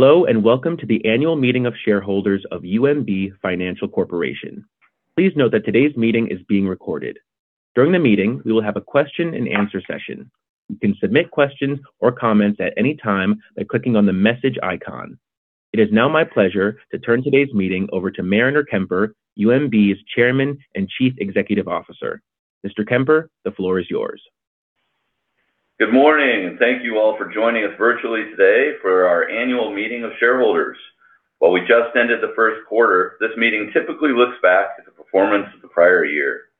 Hello and welcome to the annual meeting of shareholders of UMB Financial Corporation. Please note that today's meeting is being recorded. During the meeting, we will have a question and answer session. You can submit questions or comments at any time by clicking on the message icon. It is now my pleasure to turn today's meeting over to Mariner Kemper, UMB's Chairman and Chief Executive Officer. Mr. Kemper, the floor is yours. Good morning. Thank you all for joining us virtually today for our annual meeting of shareholders while we just ended the first quarter, this meeting typically looks back at the performance of the prior year.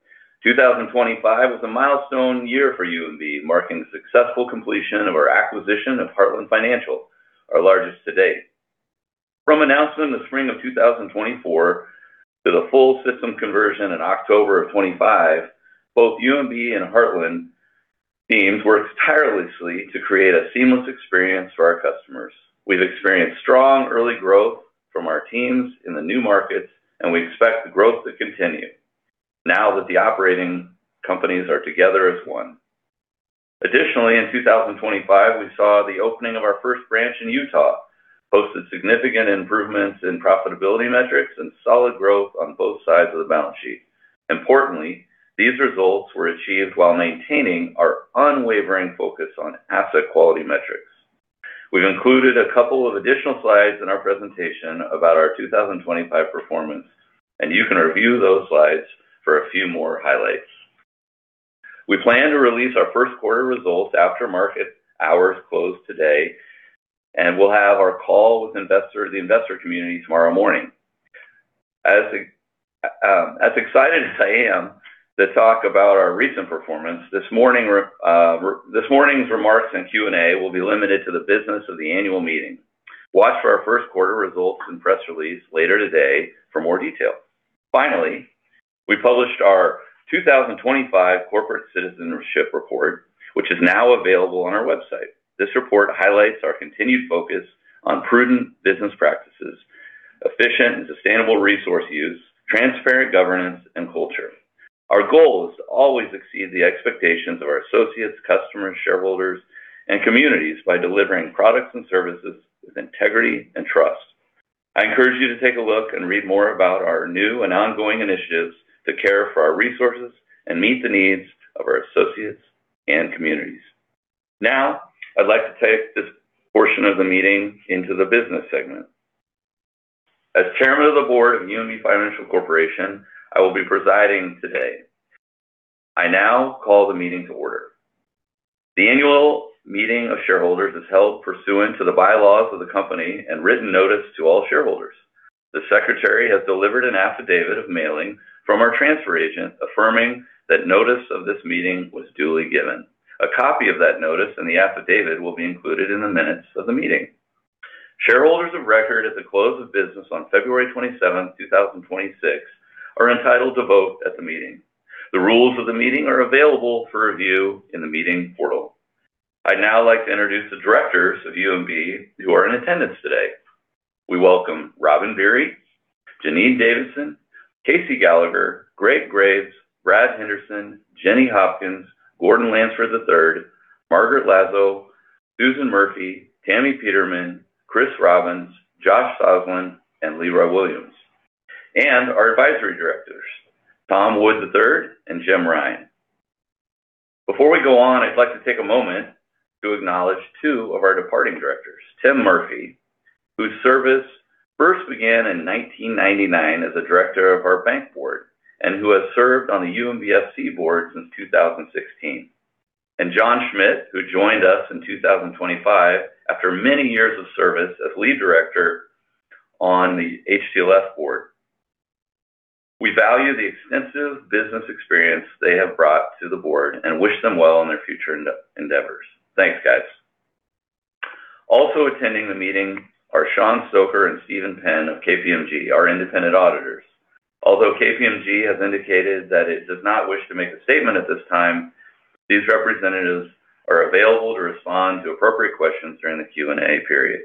2025 was a milestone year for UMB marking the successful completion of our acquisition of Heartland Financial our largest to date. From announcement in the spring of 2024 to the full system conversion in October of 2025 both UMB and Heartland teams worked tirelessly to create a seamless experience for our customers. We've experienced strong early growth from our teams in the new markets, and we expect the growth to continue now that the operating companies are together as one. Additionally, in 2025 we saw the opening of our first branch in Utah, posted significant improvements in profitability metrics and solid growth on both sides of the balance sheet. Importantly, these results were achieved while maintaining our unwavering focus on asset quality metrics. We've included a couple of additional slides in our presentation about our 2025 performance, and you can review those slides for a few more highlights. We plan to release our first quarter results after market hours close today and we'll have our call with the investor community tomorrow morning. As excited as I am to talk about our recent performance this morning's remarks and Q&A will be limited to the business of the annual meeting. Watch for our first quarter results and press release later today for more details. Finally, we published our 2025 Corporate Citizenship Report which is now available on our website. This report highlights our continued focus on prudent business practices, efficient and sustainable resource use, transparent governance, and culture. Our goal is to always exceed the expectations of our associates, customers, shareholders, and communities by delivering products and services with integrity and trust. I encourage you to take a look and read more about our new and ongoing initiatives to care for our resources and meet the needs of our associates and communities. Now, I'd like to take this portion of the meeting into the business segment. As Chairman of the Board of UMB Financial Corporation, I will be presiding today. I now call the meeting to order. The annual meeting of shareholders is held pursuant to the bylaws of the company and written notice to all shareholders. The secretary has delivered an affidavit of mailing from our transfer agent affirming that notice of this meeting was duly given. A copy of that notice and the affidavit will be included in the minutes of the meeting. Shareholders of record at the close of business on February 27, 2026 are entitled to vote at the meeting. The rules of the meeting are available for review in the meeting portal. I'd now like to introduce the directors of UMB who are in attendance today. We welcome Robin Beery, Janine Davidson, Kevin C. Gallagher, Gregory M. Graves, Bradley J. Henderson, Jennifer K. Hopkins, Gordon E. Lansford III, Margaret Lazo, Susan G. Murphy, Tamara M. Peterman, Kris A. Robbins, L. Joshua Sosland, and Leroy J. Williams Jr., and our advisory directors, Thomas J. Wood III and James D. Ryan. Before we go on, I'd like to take a moment to acknowledge two of our departing directors. Timothy R. Murphy whose service first began in 1999 as a director of our bank board and who has served on the UMBFC board since 2016. John K. Schmidt who joined us in 2025 after many years of service as lead director on the HTLF board. We value the extensive business experience they have brought to the board and wish them well in their future endeavors, thanks guys. Also attending the meeting are Shaun Stoker and Stephen Penn of KPMG our independent auditors. Although KPMG has indicated that it does not wish to make a statement at this time, these representatives are available to respond to appropriate questions during the Q&A period.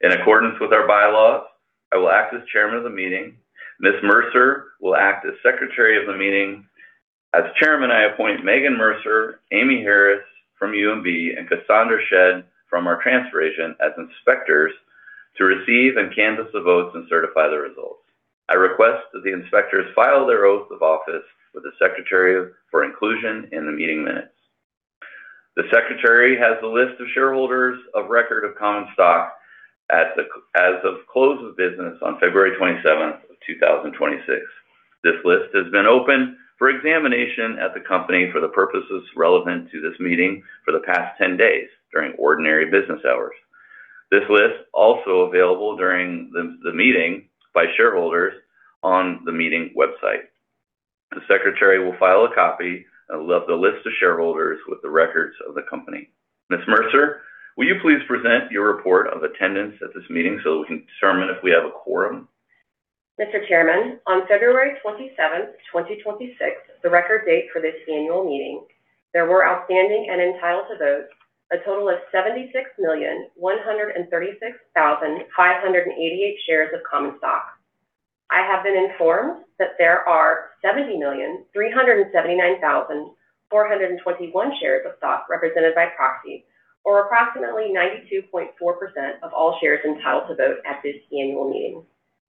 In accordance with our bylaws, I will act as chairman of the meeting. Ms. Mercer will act as secretary of the meeting. As chairman, I appoint Megan Mercer, Amy Harris from UMB, and Cassandra Shed from our transfer agent as inspectors to receive and canvass the votes and certify the results. I request that the inspectors file their oath of office with the secretary for inclusion in the meeting minutes. The secretary has the list of shareholders of record of common stock as of close of business on February 27th 2026. This list has been open for examination at the company for the purposes relevant to this meeting for the past 10 days during ordinary business hours. This list also available during the meeting by shareholders on the meeting website. The secretary will file a copy of the list of shareholders with the records of the company. Ms. Mercer, will you please present your report of attendance at this meeting so that we can determine if we have a quorum? Mr. Chairman, on February 27th 2026 the record date for this annual meeting, there were outstanding and entitled to vote a total of 76,136,588 shares of common stock. I have been informed that there are 70,379,421 shares of stock represented by proxy or approximately 92.4% of all shares entitled to vote at this annual meeting.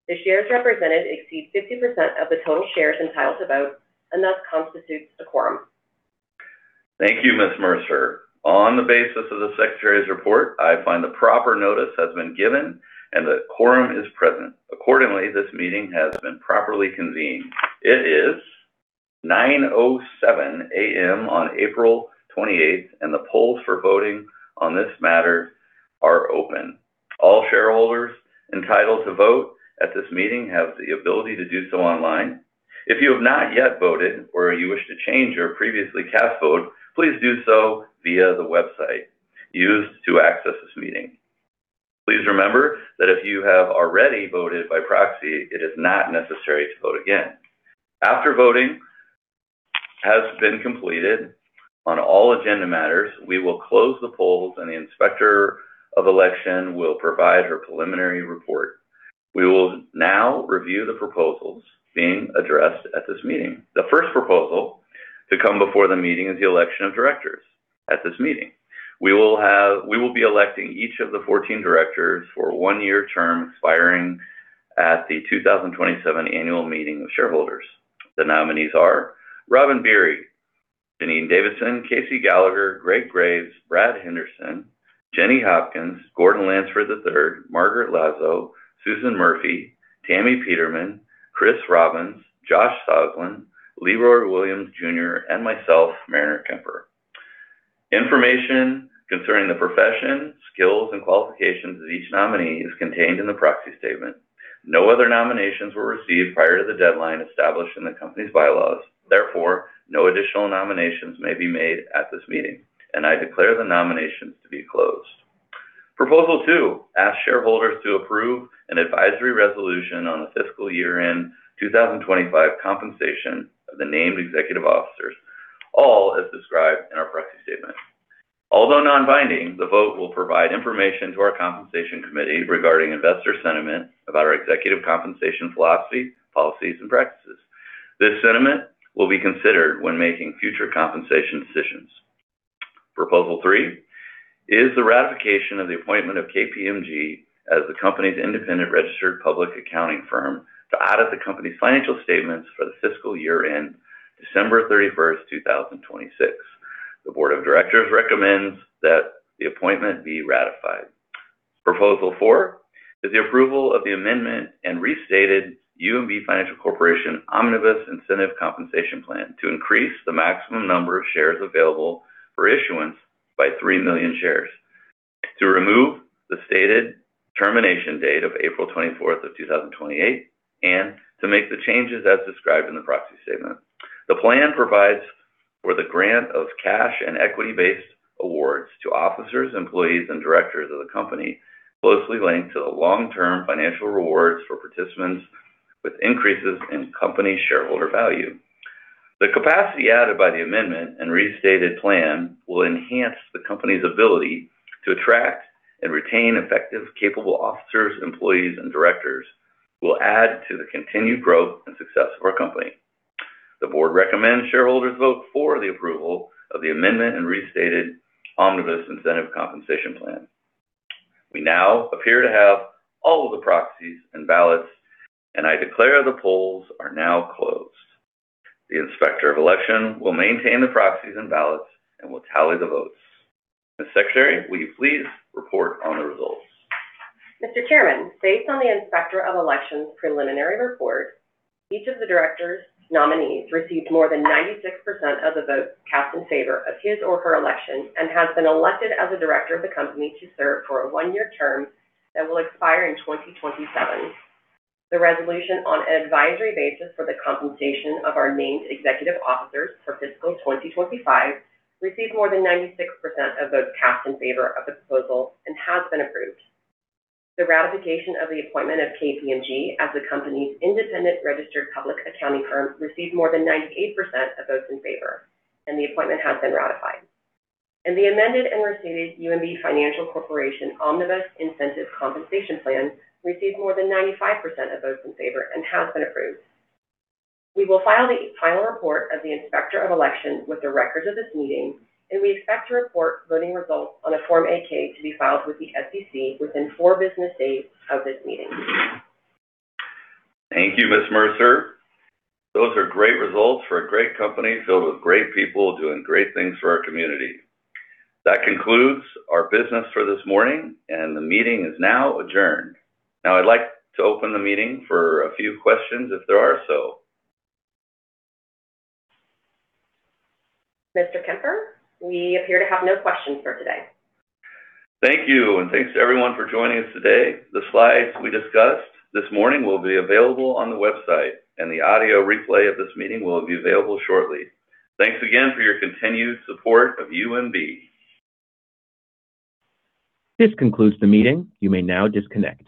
The shares represented exceed 50% of the total shares entitled to vote and thus constitutes a quorum. Thank you, Ms. Mercer. On the basis of the secretary's report, I find the proper notice has been given and a quorum is present. Accordingly, this meeting has been properly convened. It is 9:07 A.M. on April 28th and the polls for voting on this matter are open. All shareholders entitled to vote at this meeting have the ability to do so online. If you have not yet voted, or you wish to change your previously cast vote please do so via the website used to access this meeting. Please remember that if you have already voted by proxy it is not necessary to vote again. After voting has been completed on all agenda matters we will close the polls and the Inspector of Election will provide her preliminary report. We will now review the proposals being addressed at this meeting. The first proposal to come before the meeting is the election of directors at this meeting. We will be electing each of the 14 directors for a 1-year term expiring at the 2027 annual meeting of shareholders. The nominees are Robin C. Beery, Janine A. Davidson, Kevin C. Gallagher, Gregory M. Graves, Bradley J. Henderson, Jennifer K. Hopkins, Gordon E. Lansford III, Margaret Lazo, Susan G. Murphy, Tamara M. Peterman, Kris A. Robbins, L. Joshua Sosland, Leroy J. Williams Jr., and myself, Mariner Kemper. Information concerning the profession, skills, and qualifications of each nominee is contained in the proxy statement. No other nominations were received prior to the deadline established in the company's bylaws. Therefore, no additional nominations may be made at this meeting, and I declare the nominations to be closed. Proposal two asks shareholders to approve an advisory resolution on the fiscal year-end 2025 compensation of the named executive officers all as described in our proxy statement. Although non-binding, the vote will provide information to our compensation committee regarding investor sentiment about our executive compensation philosophy, policies, and practices. This sentiment will be considered when making future compensation decisions. Proposal three is the ratification of the appointment of KPMG as the company's independent registered public accounting firm to audit the company's financial statements for the fiscal year end December 31, 2026. The board of directors recommends that the appointment be ratified. Proposal 4 is the approval of the amendment and restated UMB Financial Corporation Omnibus Incentive Compensation Plan to increase the maximum number of shares available for issuance by 3 million shares to remove the stated termination date of April 24th 2028 and to make the changes as described in the proxy statement. The plan provides for the grant of cash and equity-based awards to officers, employees, and directors of the company closely linked to the long-term financial rewards for participants with increases in company shareholder value. The capacity added by the amendment and restated plan will enhance the company's ability to attract and retain effective, capable officers, employees, and directors who will add to the continued growth and success of our company. The board recommends shareholders vote for the approval of the amendment and restated Omnibus Incentive Compensation Plan. We now appear to have all of the proxies and ballots and I declare the polls are now closed. The Inspector of Election will maintain the proxies and ballots and will tally the votes. Ms. Secretary, will you please report on the results? Mr. Chairman, based on the Inspector of Election's preliminary report each of the directors' nominees received more than 96% of the votes cast in favor of his or her election and has been elected as a director of the company to serve for a one-year term that will expire in 2027. The resolution on an advisory basis for the compensation of our named executive officers for fiscal 2025 received more than 96% of votes cast in favor of the proposal and has been approved. The ratification of the appointment of KPMG as the company's independent registered public accounting firm received more than 98% of votes in favor and the appointment has been ratified. The amended and restated UMB Financial Corporation Omnibus Incentive Compensation Plan received more than 95% of votes in favor and has been approved. We will file the final report of the Inspector of Election with the records of this meeting and we expect to report voting results on a Form 8-K to be filed with the SEC within four business days of this meeting. Thank you, Ms. Mercer. Those are great results for a great company filled with great people doing great things for our community. That concludes our business for this morning, the meeting is now adjourned. I'd like to open the meeting for a few questions if there are so. Mr. Kemper, we appear to have no questions for today. Thank you and thanks to everyone for joining us today. The slides we discussed this morning will be available on the website and the audio replay of this meeting will be available shortly. Thanks again for your continued support of UMB. This concludes the meeting. You may now disconnect.